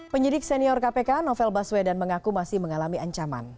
penyidik senior kpk novel baswedan mengaku masih mengalami ancaman